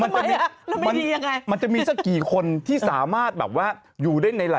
อย่างเขาเรียกว่าเป็นมีมิติมีมิติเป็นคนมีมิติฮะวิชานี้ฉันได้แต่ใดมาวิชานี้ฉันได้แต่ใดมา